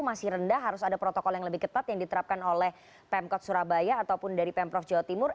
masih rendah harus ada protokol yang lebih ketat yang diterapkan oleh pemkot surabaya ataupun dari pemprov jawa timur